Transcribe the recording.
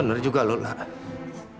bener juga lelaki